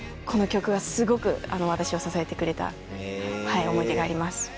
この曲はすごく私を支えてくれた思い出があります。